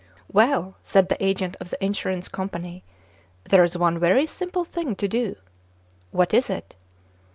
"Well," said the agent of the insurance com pany, "there is one very simple thing to do." "What is it.?"